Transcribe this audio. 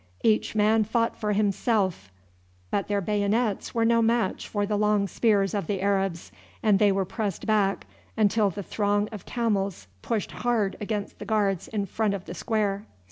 Each man fought for himself; but their bayonets were no match for the long spears of the Arabs, and they were pressed back until the throng of camels pushed hard against the Guards in front of the square.